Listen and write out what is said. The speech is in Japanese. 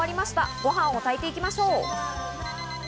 ご飯を炊いていきましょう。